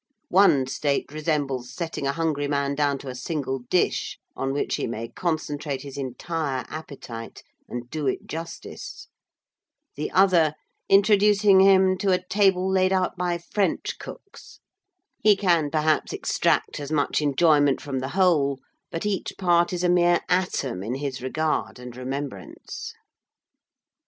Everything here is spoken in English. One state resembles setting a hungry man down to a single dish, on which he may concentrate his entire appetite and do it justice; the other, introducing him to a table laid out by French cooks: he can perhaps extract as much enjoyment from the whole; but each part is a mere atom in his regard and remembrance."